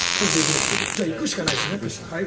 じゃあ行くしかないんですね。